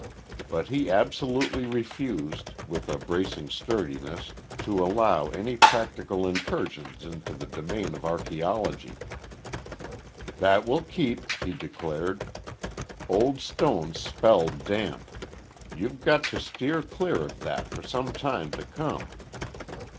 But he absolutely refused, with a bracing sturdiness, to allow any practical incursions into the domain of archaeology. "That will keep," he declared. "Old stones spell damp. You've got to steer clear of that for some time to come."